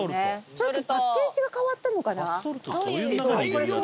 ちょっとパッケージが変わったのかな。